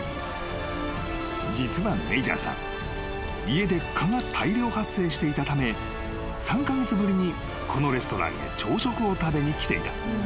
家で蚊が大量発生していたため３カ月ぶりにこのレストランへ朝食を食べに来ていた］